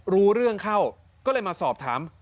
รู้เรื่องเข้าก็เลยมาสอบถาม